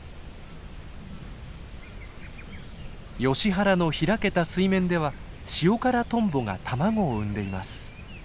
ヨシ原の開けた水面ではシオカラトンボが卵を産んでいます。